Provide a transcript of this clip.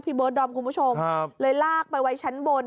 เบิร์ดดอมคุณผู้ชมเลยลากไปไว้ชั้นบน